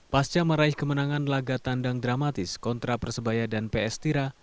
pasca meraih kemenangan laga tandang dramatis kontra persebaya dan ps tira